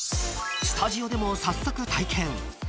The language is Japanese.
［スタジオでも早速体験］